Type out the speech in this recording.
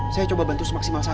saya coba bantu semaksimal saya